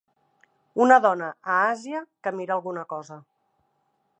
Una dona a Àsia que mira alguna cosa.